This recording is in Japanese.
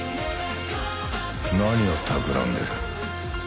何をたくらんでる？